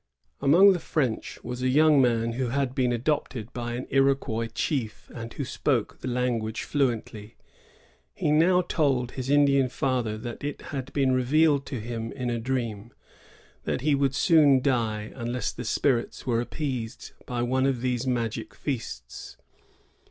Among the French was a young man who had been adopted by an Iroquois chief, and who spoke the language fluently. He now told his Indian father that it had been revealed to him in a dream that he would soon die unless the spirits were appeased by one of these magic feasts.